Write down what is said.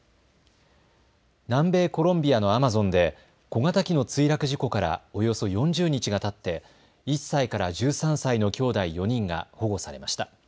南米コロンビアのアマゾンで小型機の墜落事故からおよそ４０日がたって１歳から１３歳のきょうだい４人が保護されました。